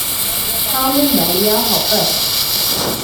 Harman Baillie Hopper.